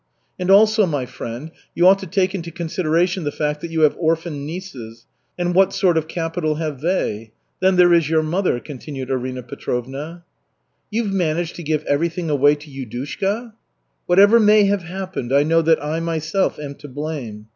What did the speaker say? "And also, my friend, you ought to take into consideration the fact that you have orphaned nieces and what sort of capital have they? Then there is your mother," continued Arina Petrovna. "You've managed to give everything away to Yudushka!" "Whatever may have happened, I know that I myself am to blame.